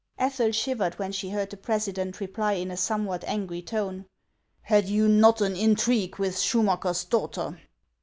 Ethel shivered when she heard the president reply in a somewhat angry tone :" Had you not an intrigue with Schumacker's daughter